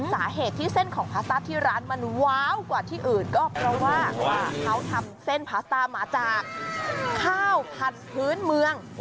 สาเหตุที่เส้นของพาสต้าที่ร้านมันว้าวกว่าที่อื่นก็เพราะว่าเขาทำเส้นพาสต้ามาจากข้าวพันธุ์เมือง